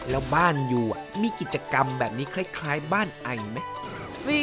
แล้วบ้านอยู่มีกิจกรรมแบบนี้คล้ายบ้านไอไหม